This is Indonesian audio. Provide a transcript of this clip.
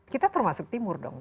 kita termasuk timur dong